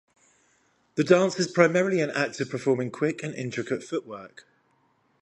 The dance is primarily an act of performing quick and intricate footwork.